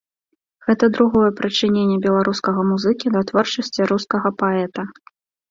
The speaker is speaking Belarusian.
Гэта другое прычыненне беларускага музыкі да творчасці рускага паэта.